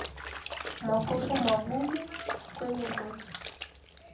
Makovu magumu kwenye ngozi